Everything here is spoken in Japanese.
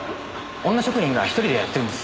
女職人が１人でやってるんです。